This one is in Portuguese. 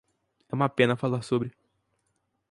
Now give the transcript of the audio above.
É uma pena falar sobre